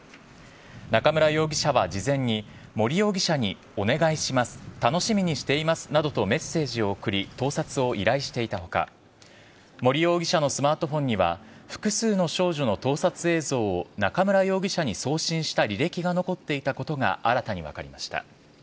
中村容疑者は事前に、森容疑者にお願いします、楽しみにしていますなどとメッセージを送り、盗撮を依頼していたほか、森容疑者のスマートフォンには、複数の少女の盗撮映像を中村容疑者に送信した履歴が残っていたことが新たに分かりました。